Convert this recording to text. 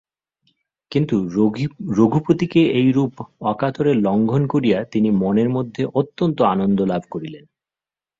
কিন্তু রঘুপতিকে এইরূপে অকাতরে লঙ্ঘন করিয়া তিনি মনের মধ্যে অত্যন্ত আনন্দ লাভ করিলেন।